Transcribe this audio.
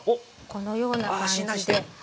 このような感じではい。